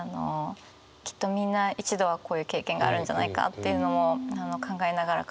きっとみんな一度はこういう経験があるんじゃないかっていうのも考えながら書いたんですけど。